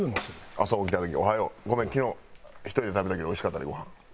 朝起きた時に「おはよう」「ごめん昨日１人で食べたけどおいしかったでごはん」。